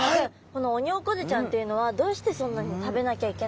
このオニオコゼちゃんっていうのはどうしてそんなに食べなきゃいけないんですか？